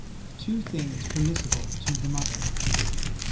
l Two Things permissible to the Mother.